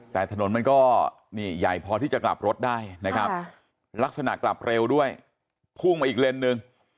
แต่ถนนมันก็นี่ใหญ่พอที่จะกลับรถได้นะครับลักษณะกลับเร็วด้วยพุ่งมาอีกเลนหนึ่ง